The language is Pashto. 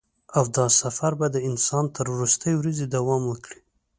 او دا سفر به د انسان تر وروستۍ ورځې دوام وکړي.